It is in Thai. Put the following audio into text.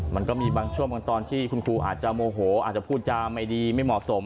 มันก็มีบางช่วงบางตอนที่คุณครูอาจจะโมโหอาจจะพูดจาไม่ดีไม่เหมาะสม